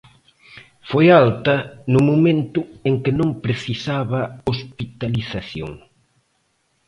Foi alta no momento en que non precisaba hospitalización.